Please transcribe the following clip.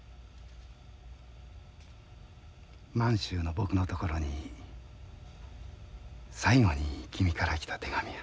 満州の僕のところに最後に君から来た手紙や。